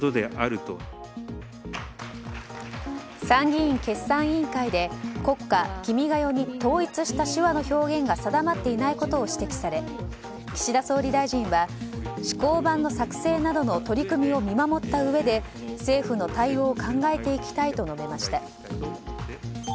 参議院決算委員会で国歌「君が代」に統一した手話の表現が定まっていないことを指摘され岸田総理大臣は試行版の作成などの取り組みを見守ったうえで政府の対応を考えていきたいと述べました。